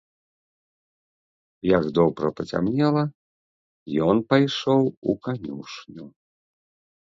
Як добра пацямнела, ён пайшоў у канюшню.